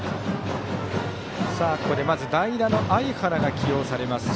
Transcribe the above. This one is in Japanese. ここで代打の相原が起用されます。